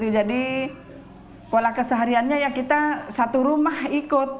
jadi pola kesehariannya ya kita satu rumah ikut